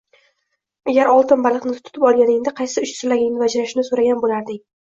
Agar oltin baliqni tutib olganingda qaysi uch istagingni bajarishini so‘ragan bo‘larding?